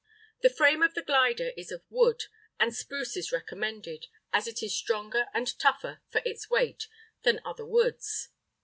] The frame of the glider is of wood, and spruce is recommended, as it is stronger and tougher for its weight than other woods.